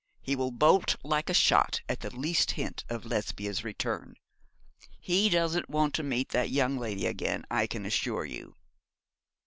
He will bolt like a shot at the least hint of Lesbia's return. He doesn't want to meet that young lady again, I can assure you.'